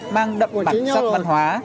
mang đậm bản sắc văn hóa